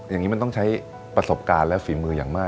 อย่างนี้มันต้องใช้ประสบการณ์และฝีมืออย่างมาก